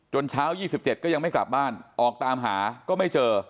เช้า๒๗ก็ยังไม่กลับบ้านออกตามหาก็ไม่เจอ